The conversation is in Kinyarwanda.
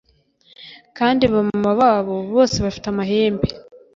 kandi ba mama babo bose bafite amahembe